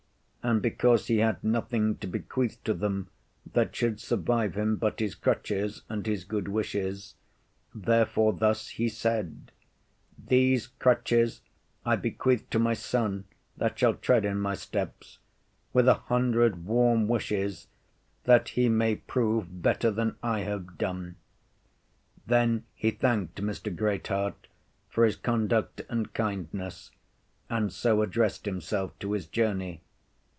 And because he had nothing to bequeath to them that should survive him but his crutches and his good wishes, therefore thus he said, These crutches I bequeath to my son that shall tread in my steps, with a hundred warm wishes that he may prove better than I have done. Then he thanked Mr. Great heart for his conduct and kindness, and so addressed himself to his journey.